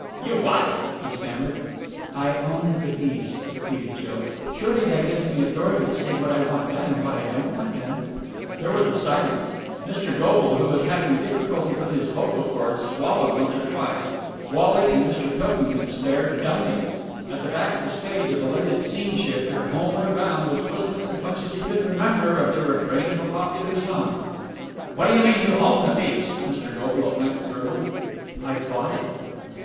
"You what!" he stammered. "I own the piece," repeated Jill. "Surely that gives me authority to say what I want done and what I don't want done." There was a silence, Mr. Goble, who was having difficulty with his vocal chords, swallowed once or twice. Wally and Mr. Pilkington stared dumbly. At the back of the stage, a belated scene shifter, homeward bound, was whistling as much as he could remember of the refrain of a popular song. "What do you mean you own the piece?" Mr. Goble at length gurgled. "I bought it."